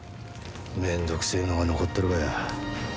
めんどくせえのが残っとるがや。